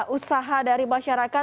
usaha dari masyarakat